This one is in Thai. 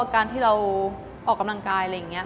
การที่เราออกกำลังกาย